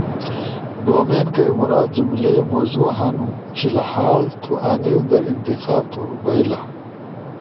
ڈومین کئی مراد جملئی موضوع ہنو، فی الھال تو انیس در انتخاب تھو بئیلا۔